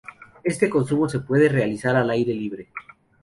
Este consumo se puede realizar al aire libre.